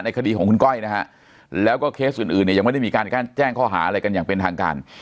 คดีของคุณก้อยนะฮะแล้วก็เคสอื่นเนี่ยยังไม่ได้มีการแจ้งข้อหาอะไรกันอย่างเป็นทางการ